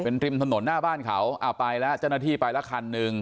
เป็นริมถนนหน้าบ้านเขาอ่าไปแล้วเจ้าหน้าที่ไปแล้วคันหนึ่ง